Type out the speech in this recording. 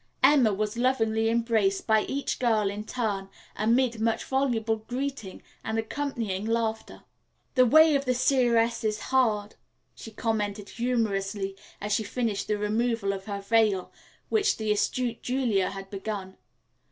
Emma was lovingly embraced by each girl in turn amid much voluble greeting and accompanying laughter. "The way of the seeress is hard," she commented humorously as she finished the removal of her veil, which the astute Julia had begun.